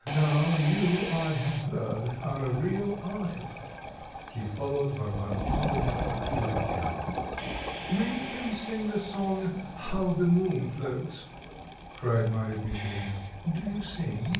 Now you, I have heard, are a real artist; he followed Varvara Pavlovna to the piano.... "Make him sing his song, 'How the Moon Floats,'" cried Marya Dmitrievna. "Do you sing?"